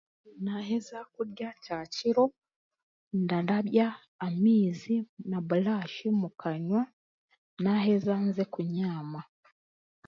Naaheza kurya kyakiro, ndarabya amaizi na buraashi mu kanywa naaheza nza kunyama.